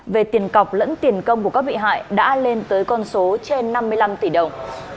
về tiền cọc lẫn tiền công của các bị hại đã lên tới con số trên năm mươi năm tỷ đồng